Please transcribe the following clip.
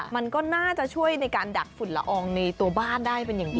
มันก็น่าจะช่วยในการดักฝุ่นละอองในตัวบ้านได้เป็นอย่างดี